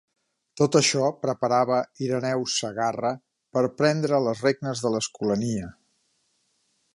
Tot això preparava Ireneu Segarra per prendre les regnes de l'escolania.